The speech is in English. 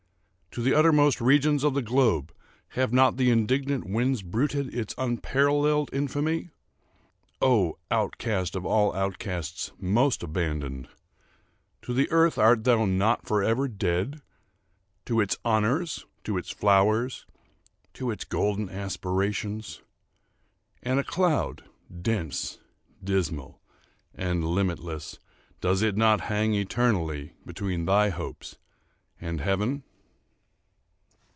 To the uttermost regions of the globe have not the indignant winds bruited its unparalleled infamy? Oh, outcast of all outcasts most abandoned!—to the earth art thou not forever dead? to its honors, to its flowers, to its golden aspirations?—and a cloud, dense, dismal, and limitless, does it not hang eternally between thy hopes and heaven?